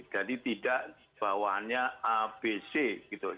jadi tidak bawahnya abc gitu